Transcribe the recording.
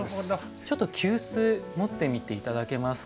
ちょっと急須持ってみて頂けますか？